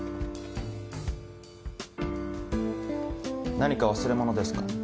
何か忘れ物ですか？